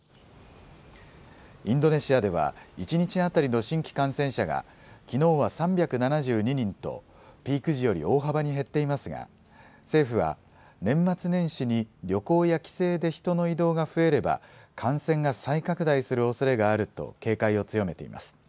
インドネシアでは一日当たりの新規感染者がきのうは３７２人とピーク時より大幅に減っていますが政府は年末年始に、旅行や帰省で人の移動が増えれば感染が再拡大するおそれがあると警戒を強めています。